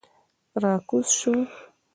را کوز شوو.